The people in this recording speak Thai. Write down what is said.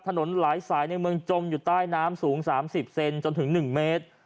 ถนนหลายสายในเมืองจมอยู่ใต้น้ำสูง๓๐เซนจนถึง๑เมตร